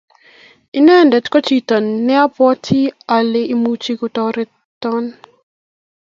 Inendet ko chito ne abwati ale imuch kotoreton.